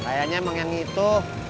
kayaknya emang yang itu